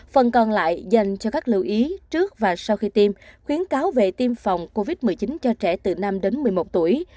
phần còn lại dành cho các lưu ý trước và sau khi tiêm khuyến cáo về tiêm phòng covid một mươi chín cho trẻ từ năm đến một mươi một tuổi